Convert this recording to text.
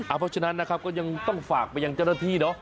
เพราะฉะนั้นนะครับก็ยังต้องฝากไปยังเจ้าหน้าที่เนอะ